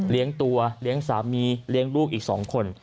ตัวเลี้ยงสามีเลี้ยงลูกอีก๒คน